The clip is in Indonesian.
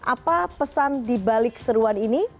apa pesan di balik seruan ini